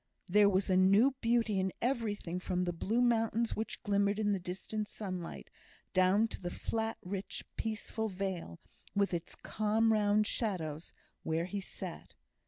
There was new beauty in everything: from the blue mountains which glimmered in the distant sunlight, down to the flat, rich, peaceful vale, with its calm round shadows, where he sat.